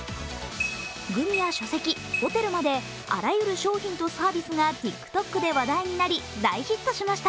グミや書籍、ホテルまであらゆる商品とサービスがＴｉｋＴｏｋで話題になり、大ヒットしました。